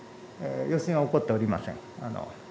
余震は起こっておりません。